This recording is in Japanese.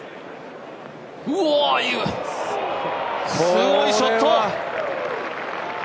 すごいショット！